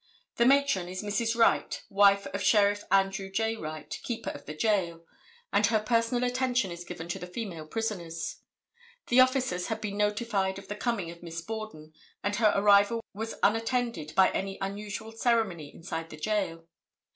The matron is Mrs. Wright, wife of Sheriff Andrew J. Wright, keeper of the jail, and her personal attention is given to the female prisoners. The officers had been notified of the coming of Miss Borden, and her arrival was unattended by any unusual ceremony inside the jail.